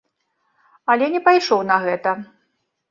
Але не пайшоў на гэта.